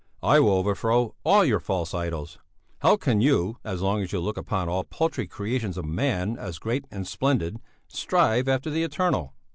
"I will overthrow all your false idols! How can you as long as you look upon all paltry creations of man as great and splendid strive after the eternal?